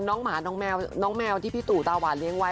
หมาน้องแมวน้องแมวที่พี่ตู่ตาหวานเลี้ยงไว้